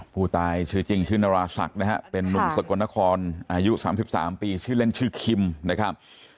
ผู้ตายชื่อจริงชื่อนราศักดิ์นะฮะเป็นนุ่มสกลนครอายุ๓๓ปีชื่อเล่นชื่อคิมนะครับ